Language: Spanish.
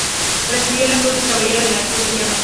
Recibió la Cruz de Caballero de la Cruz de Hierro.